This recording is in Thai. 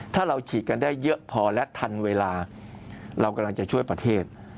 ถ้าเราฉีดกันได้เยอะพอและทันเวลาเรากำลังจะช่วยประเทศ